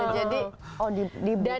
jadi di buku kemarau